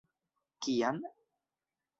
Kian?